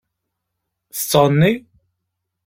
Tettɣenni?